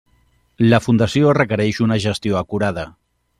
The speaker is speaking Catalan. La fundació requereix una gestió acurada.